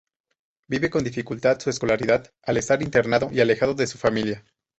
Vive con dificultad su escolaridad al estar internado y alejado de su familia.